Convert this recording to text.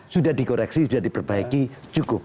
sudah dikoreksi sudah diperbaiki cukup